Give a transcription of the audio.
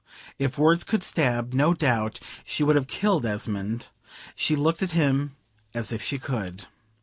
If words could stab, no doubt she would have killed Esmond; she looked at him as if she could.